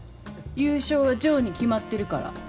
優勝はジョーに決まってるから。